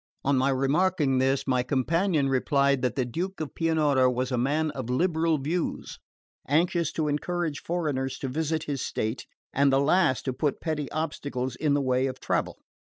On my remarking this, my companion replied that the Duke of Pianura was a man of liberal views, anxious to encourage foreigners to visit his state, and the last to put petty obstacles in the way of travel.